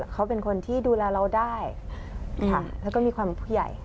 เขาเป็นคนที่ดูแลเราได้แล้วก็มีความผู้ใหญ่